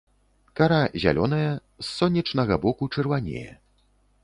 Кара зялёная, с сонечнага боку чырванее.